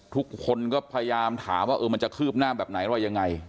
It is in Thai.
ทุกคนก็พยายามถามว่ามันจะคืบหน้าแบบไหนว่ายังไง